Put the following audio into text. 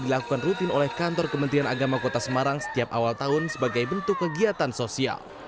dilakukan rutin oleh kantor kementerian agama kota semarang setiap awal tahun sebagai bentuk kegiatan sosial